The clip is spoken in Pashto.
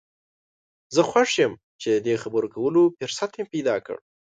زه خوښ یم چې د دې خبرو کولو فرصت مې پیدا کړ.